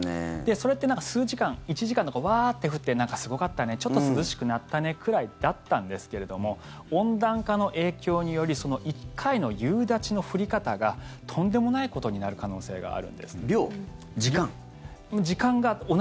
それって、数時間１時間とか、ワーッて降ってなんかすごかったねちょっと涼しくなったねくらいだったんですけれども温暖化の影響によりその１回の夕立の降り方がとんでもないことになる可能性があるんです。